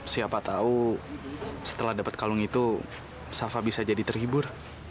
siapa tahu setelah dapat kalung itu safa bisa jadi terhibur